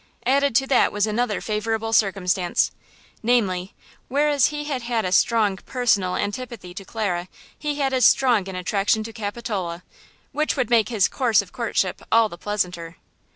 Added to that was another favorable circumstance–namely, whereas he had had a strong personal antipathy to Clara he had as strong an attraction to Capitola, which would make his course of courtship all the pleasanter.